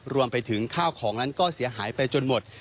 รวมไปถึงข้าวของนั้นก็เสียหายไปจนหมด